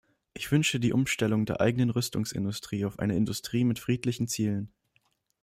Ich wünsche die Umstellung der eigenen Rüstungsindustrie auf eine Industrie mit friedlichen Zielen.